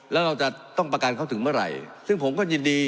แล้วเราจะต้องประกันเขาถึงเมื่อไหร่ซึ่งผมก็ยินดี